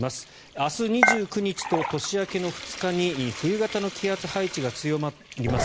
明日２９日と年明けの２日に冬型の気圧配置が強まります。